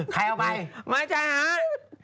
ใครเอาไปไม่จัง